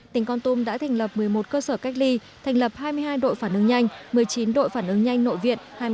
tỉnh con tum đã thành lập một mươi một cơ sở cách ly thành lập hai mươi hai đội phản ứng nhanh một mươi chín đội phản ứng nhanh nội viện